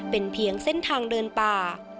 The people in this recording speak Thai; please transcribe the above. เป็นเพียงเส้นทางเดินป่า